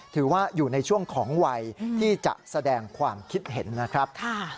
ถือว่าอยู่ในช่วงของวัยที่จะแสดงความคิดเห็นนะครับ